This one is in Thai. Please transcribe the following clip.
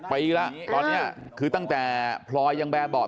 ตั้งแต่นี่คือคือพลอยยังแบร์บอส